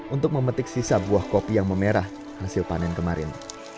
untuk memetik sisa buah kopi yang memerah hasil panen kemarin